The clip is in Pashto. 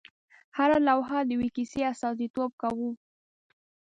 هره لوحه د یوې کیسې استازیتوب کاوه.